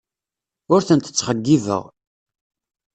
Ur tent-ttxeyyibeɣ.